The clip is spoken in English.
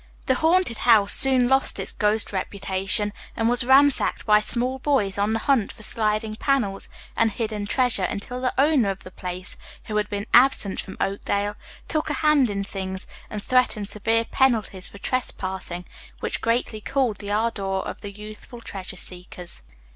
The haunted house soon lost its ghost reputation, and was ransacked by small boys on the hunt for sliding panels and hidden treasure until the owner of the place, who had been absent from Oakdale, took a hand in things and threatened severe penalties for trespassing, which greatly cooled the ardor of the youthful treasure seekers.